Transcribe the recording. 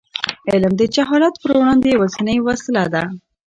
علم د جهالت پر وړاندې یوازینۍ وسله ده.